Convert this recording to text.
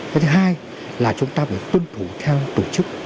cái thứ hai là chúng ta phải tuân thủ theo tổ chức